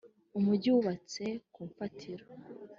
umugi wubatse ku mfatiro